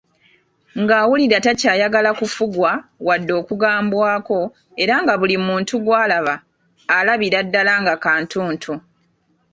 Ng'awulira takyayagala kufugwa wadde okugambwako era nga buli muntu gwalaba alabira ddala nga kantuntu ku ye.